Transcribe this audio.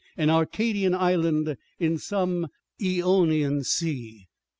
An Arcadian Island in some Aeonian Sea.